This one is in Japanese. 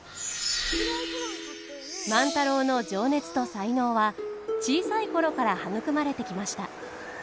万太郎の情熱と才能は小さい頃から育まれてきました。